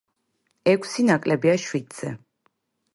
ექვსი ნაკლებია შვიდზე.